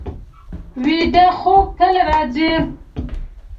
ویده خوب تل راځي